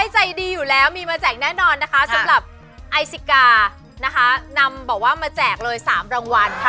ใจดีอยู่แล้วมีมาแจกแน่นอนนะคะสำหรับไอซิกานะคะนำบอกว่ามาแจกเลย๓รางวัลค่ะ